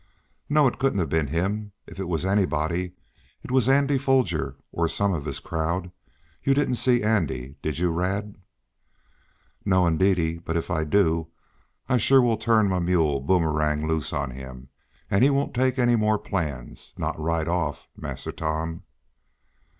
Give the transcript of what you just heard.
"No, it couldn't have been him. If it was anybody, it was Andy Foger, or some of his crowd. You didn't see Andy, did you, Rad?" "No, indeedy; but if I do, I suah will turn mah mule, Boomerang, loose on him, an' he won't take any mo' plans not right off, Massa Tom."